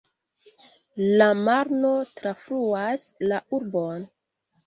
La Marno trafluas la urbon.